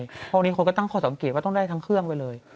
เพราะวันนี้คนก็ตั้งข้อสังเกตว่าต้องได้ทั้งเครื่องไปเลย